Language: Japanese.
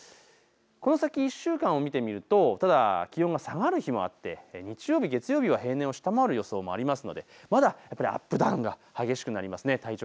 この先１週間を見てみるとただ気温が下がる日もあって日曜日、月曜日は平年を下回る予想もありますので、まだやっぱりアップダウンが激しくなります。